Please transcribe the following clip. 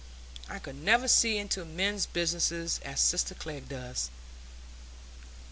I could never see into men's business as sister Glegg does."